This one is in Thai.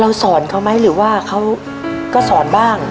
สอนเขาไหมหรือว่าเขาก็สอนบ้าง